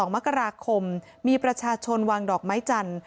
๒มกราคมมีประชาชนวางดอกไม้จันทร์